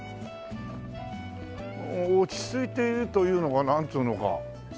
落ち着いているというのかなんつうのか。